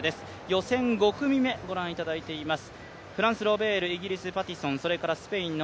予選５組目、ご覧いただいています。